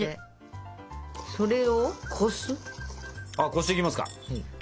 こしていきますか。